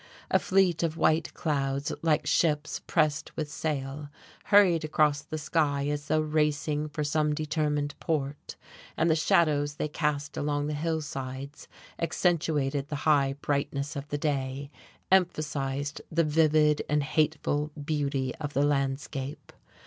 A fleet of white clouds, like ships pressed with sail, hurried across the sky as though racing for some determined port; and the shadows they cast along the hillsides accentuated the high brightness of the day, emphasized the vivid and hateful beauty of the landscape.